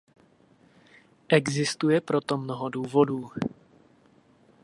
Existuje proto mnoho důvodů.